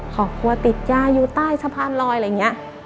ครอบครัวติดยาอยู่ใต้สะพานลอยอะไรอย่างนี้